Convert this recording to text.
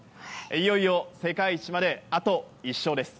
いよいよ世界一まであと１勝です。